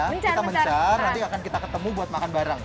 kita besar nanti akan kita ketemu buat makan bareng